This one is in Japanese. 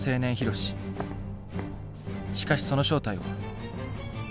しかしその正体は。